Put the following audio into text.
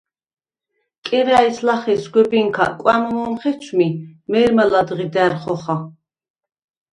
კერა̈ჲს ლახე სგვებინქა კვა̈მ მო̄მ ხეცვმი, მე̄რმა ლა̈დღი და̈რ ხოხა.